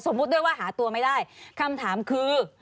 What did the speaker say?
ด้วยว่าหาตัวไม่ได้คำถามคือ